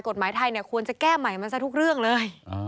กฎหมายไทยเนี่ยควรจะแก้ใหม่มันซะทุกเรื่องเลย